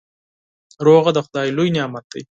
سوله د خدای لوی نعمت دی.